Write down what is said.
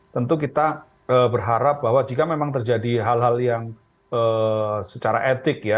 tentu kita berharap bahwa jika memang terjadi hal hal yang secara etik ya